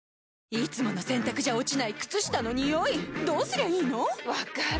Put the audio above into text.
いつもの洗たくじゃ落ちない靴下のニオイどうすりゃいいの⁉分かる。